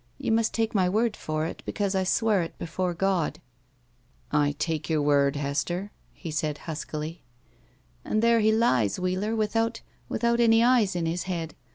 You must take my word for it, because I swear it before God." I take your word, Hester," he said, huskily. "And there he lies, Wheeler, without — ^without any eyes in his head.